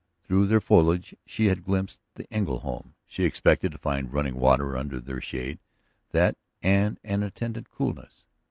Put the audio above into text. Through their foliage she had glimpsed the Engle home. She expected to find running water under their shade, that and an attendant coolness.